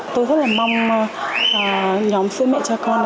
tôi rất là mong nhóm sữa mẹ cho con